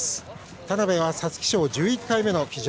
田辺は皐月賞、１１回目の騎乗。